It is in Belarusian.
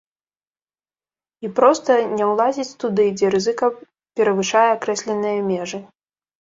І проста не ўлазіць туды, дзе рызыка перавышае акрэсленыя межы.